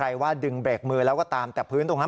ว่าดึงเบรกมือแล้วก็ตามแต่พื้นตรงนั้น